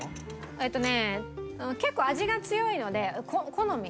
えっとね結構味が強いので好み。